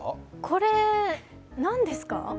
これ何ですか？